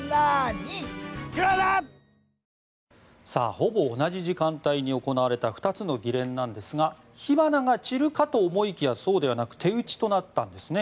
ほぼ同じ時間帯に行われた２つの議連なんですが火花が散るかと思いきやそうではなく手打ちとなったんですね。